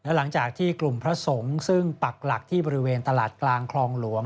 หลังจากที่กลุ่มพระสงฆ์ซึ่งปักหลักที่บริเวณตลาดกลางคลองหลวง